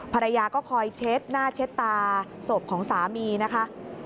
ภรรยาก็คอยเช็ดหน้าเช็ดตาศพของสามีนะคะ